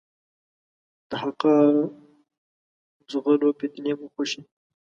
د حقه ځغلو ، فتنې مو خوښي دي.